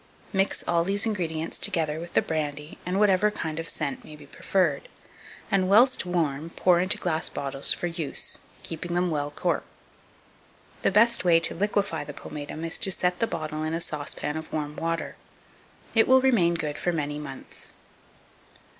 Mix all these ingredients together with the brandy and whatever kind of scent may be preferred; and whilst warm pour into glass bottles for use, keeping them well corked. The best way to liquefy the pomatum is to set the bottle in a saucepan of warm water. It will remain good for many months.